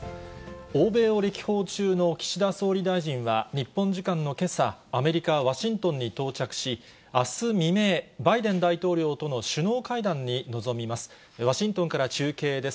欧米を歴訪中の岸田総理大臣は日本時間のけさ、アメリカ・ワシントンに到着し、あす未明、バイデン大統領との首脳会談に臨みます。